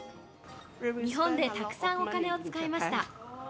日本でたくさんお金を使いました。